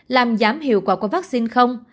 làm giảm hiệu quả của vaccine không